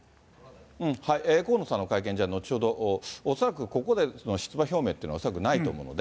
河野さんの会見、後ほど、恐らくここでの出馬表明というのは恐らくないと思うので。